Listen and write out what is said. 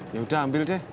yaudah ambil deh